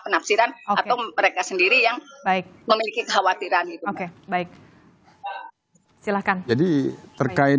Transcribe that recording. penafsiran atau mereka sendiri yang memiliki kekhawatiran itu oke baik silakan jadi terkait